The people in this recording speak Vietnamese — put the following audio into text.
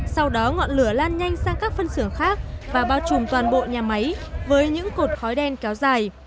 sau đó ngọn lửa lan nhanh sang các phân xưởng khác và bao trùm toàn bộ nhà máy với những cột khói đen kéo dài